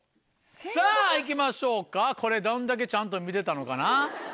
さぁ行きましょうかこれどんだけちゃんと見てたのかな？